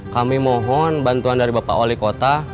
kami mohon bantuan dari bapak wali kota